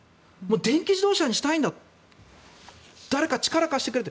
電気自動車にしたいんだ誰か力を貸してくれと。